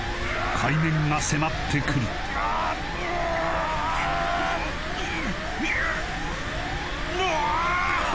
海面が迫ってくるうお！